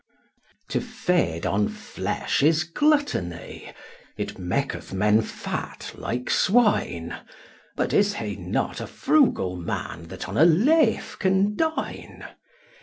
To feed on flesh is gluttony, It maketh men fat like swine j But is not he a frugal man That on a leaf can dine